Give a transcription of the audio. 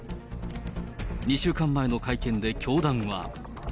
２週間前の会見で教団は。